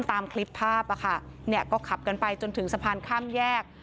ตามคลิปภาพก็ขับกันไปจนถึงสะพานข้ามแยก